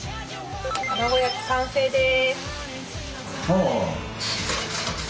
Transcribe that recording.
卵焼き完成です！